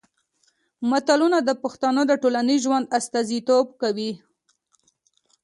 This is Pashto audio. متلونه د پښتنو د ټولنیز ژوند استازیتوب کوي